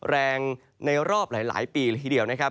แรงในรอบหลายปีละทีเดียว